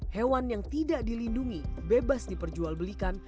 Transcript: hewan yang tidak dilindungi bebas diperjualbelikan